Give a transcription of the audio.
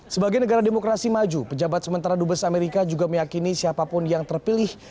sebagai negara demokrasi maju pejabat sementara dubes amerika juga meyakini siapapun yang terpilih